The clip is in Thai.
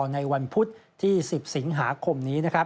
ในวันพุธที่๑๐สิงหาคมนี้